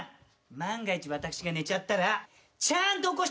万が一私が寝ちゃったらちゃんと起こしてね。